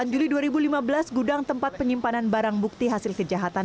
sembilan juli dua ribu lima belas gudang tempat penyimpanan barang bukti hasil kejahatan